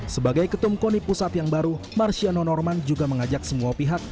sebagai ketum koni pusat yang baru marciano norman juga mengajak semua pihak